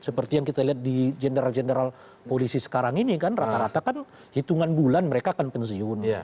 seperti yang kita lihat di general general polisi sekarang ini kan rata rata kan hitungan bulan mereka akan pensiun